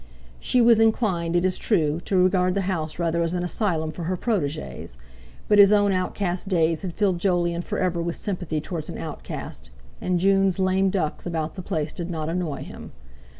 She was inclined, it is true, to regard the house rather as an asylum for her protégés; but his own outcast days had filled Jolyon for ever with sympathy towards an outcast, and June's "lame ducks" about the place did not annoy him.